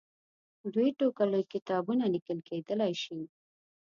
دوې ټوکه لوی کتابونه لیکل کېدلای شي.